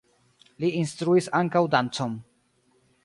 Li instruis ankaŭ dancon.